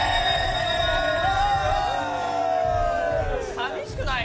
・寂しくない？